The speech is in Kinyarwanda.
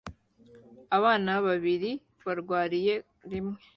Abana babiri barwariye rimwe